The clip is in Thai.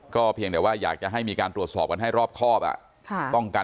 เพียงแต่ว่าอยากจะให้มีการตรวจสอบกันให้รอบครอบ